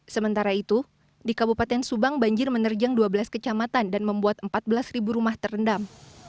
sementara itu di kabupaten subang banjir menerjang dua belas kecamatan dan membuat empat belas rumah terendam